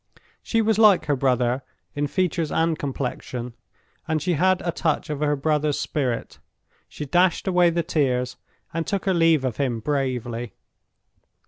She was like her brother in features and complexion, and she had a touch of her brother's spirit; she dashed away the tears, and took her leave of him bravely.